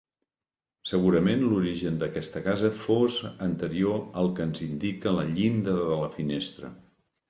Segurament l'origen d'aquesta casa fos anterior al que ens indica la llinda de la finestra.